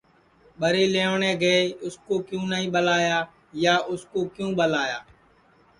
ٻری لئیوٹؔے گے اُس کُو کیوں نائی ٻلایا یا اُس کُو کیوں ٻلایا